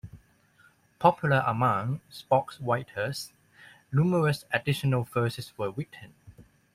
Popular among sportswriters, numerous additional verses were written.